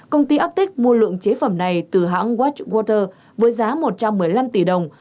công ty arctic mua lượng chế phẩm này từ hãng watchwater với giá một trăm một mươi năm tỷ đồng